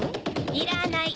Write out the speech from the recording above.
いらない。